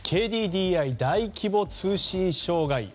ＫＤＤＩ、大規模通信障害。